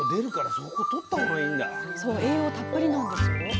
スタジオそう栄養たっぷりなんですよ。